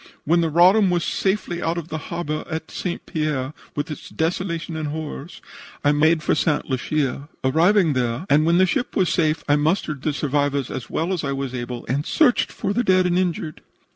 "When the Roddam was safely out of the harbor of St. Pierre, with its desolations and horrors, I made for St. Lucia. Arriving there, and when the ship was safe, I mustered the survivors as well as I was able and searched for the dead and injured.